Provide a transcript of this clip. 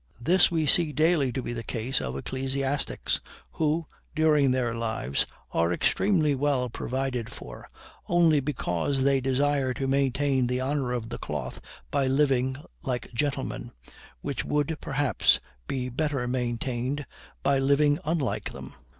This we see daily to be the case of ecclesiastics, who, during their lives, are extremely well provided for, only because they desire to maintain the honor of the cloth by living like gentlemen, which would, perhaps, be better maintained by living unlike them.